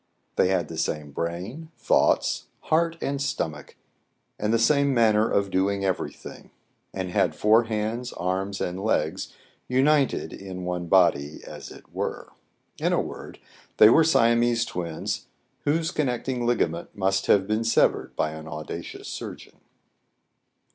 They had the same brain, thoughts, heart, and stomach, and the same manner of doing every thing ; and had four hands, arms, and legs, united in one body as it were. In a word, they were Siamese twins, whose connecting ligament must have been severed by an audacious surgeon.